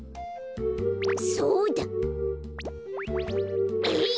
そうだ。えい！